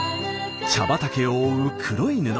茶畑を覆う黒い布。